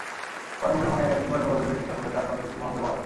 পরে মুঠোফোনে একাধিকবার যোগাযোগের চেষ্টা করলে তাঁর সংযোগটি বন্ধ পাওয়া যায়।